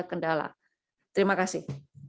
kendala terima kasih